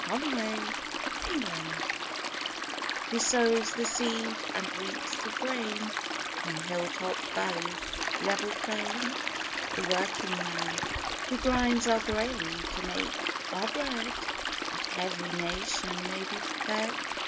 THE WORKING MAN Who sows the seed and reaps the grain On hill top, valley, level plain? The working man. Who grinds our grain to make our bread, That every nation may be fed